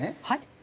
はい？